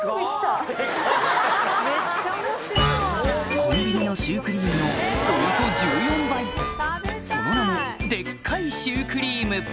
コンビニのシュークリームのおよそその名も「でっかいシュークリーム」